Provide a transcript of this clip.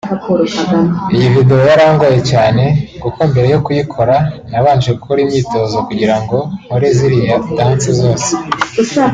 Iyi video yarangoye cyane kuko mbere yo kuyikora nabanje gukora imyitozo kugirango nkore ziriya dances zose”